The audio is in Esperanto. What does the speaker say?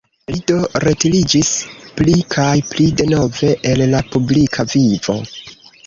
Li do retiriĝis pli kaj pli denove el la publika vivo.